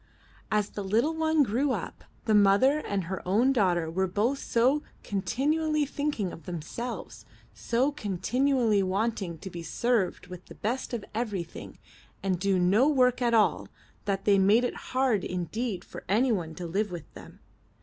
As the little one grew up, the mother and her own daughter were both so continually thinking of them selves, so continually wanting to be served with the best of everything and to do no work at all, that they made it hard indeed for anyone to live with them.